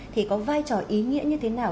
thì có vai trò ý nghĩa như thế nào